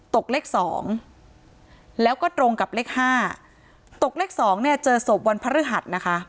ตกเลขสองแล้วก็ตรงกับเลขห้าตกเลขสองเนี่ยเจอศพวันพระฤหัสนะคะ